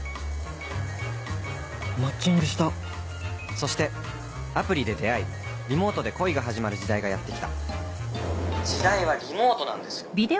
そしてアプリで出会いリモートで恋が始まる時代がやって来た時代はリモートなんですよ。